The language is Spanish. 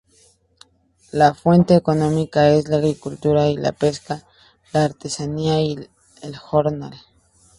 La fuente económica es la agricultura, la pesca la artesanía y el jornal.